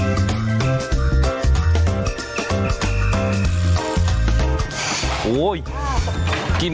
พี่อ้อหรือเปล่าครับ